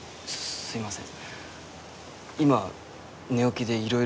すいません